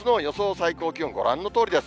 最高気温、ご覧のとおりです。